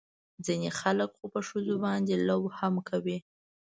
ځينې خلق خو په ښځو باندې لو هم کوي.